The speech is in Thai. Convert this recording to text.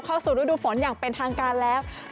เข้าสู่ฤดูฝนอย่างเป็นทางการแล้ว